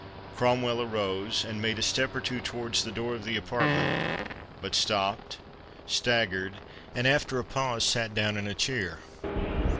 Cromwell arose, and made a step or two towards the door of the apartment; but stopped, staggered, and, after a pause, sate down in a chair.